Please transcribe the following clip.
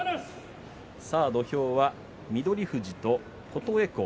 土俵は翠富士と琴恵光。